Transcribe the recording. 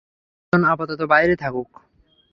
অপরজন আপাতত বাইরে থাকুক।